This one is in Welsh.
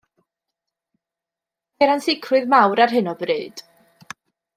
Ceir ansicrwydd mawr ar hyn o bryd.